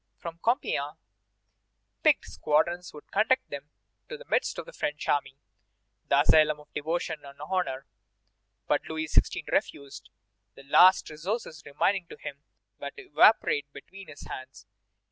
From Compiègne, picked squadrons would conduct them to the midst of the French army, the asylum of devotion and honor. But Louis XVI. refused. The last resources remaining to him were to evaporate between his hands.